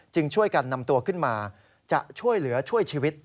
ช่วยกันนำตัวขึ้นมาจะช่วยเหลือช่วยชีวิต